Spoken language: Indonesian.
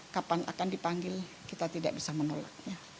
kapan akan dipanggil kita tidak bisa menolak